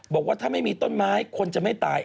บอกว่าถ้าไม่มีต้นไม้คนจะไม่ตาย